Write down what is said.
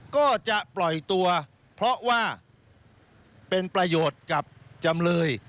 ก็จะปล่อยตัวเพราะว่าเป็นประโยชน์กับจำเลย